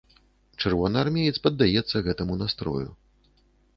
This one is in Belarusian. Чырвонаармеец паддаецца гэтаму настрою.